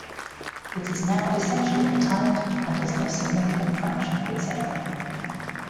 It is now essentially retired, and has lost significant fraction of its area.